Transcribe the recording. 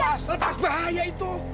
lepas lepas bahaya itu